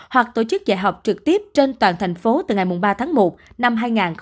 hoặc tổ chức dạy học trực tiếp trên toàn tp hcm từ ngày ba tháng một năm hai nghìn hai mươi hai